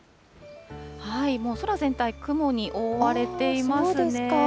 空全体雲に覆われていますね。